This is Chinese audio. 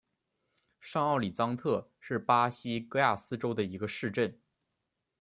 上奥里藏特是巴西戈亚斯州的一个市镇。